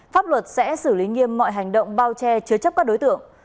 pháp luật sẽ xử lý nghiêm mọi hành động bao che chứa chấp các đối tượng